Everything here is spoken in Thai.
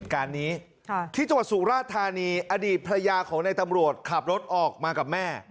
การนี้ที่จังหวัดสุราธานีอดีตภรรยาของในตำรวจขับรถออกมากับแม่